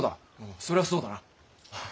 そりゃあそうだな。